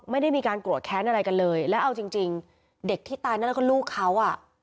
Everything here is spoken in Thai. ไม่ได้มีการกรวดแค้นอะไรกันเลยแล้วเอาจริงเด็กที่ตายแล้วก็ลูกเขา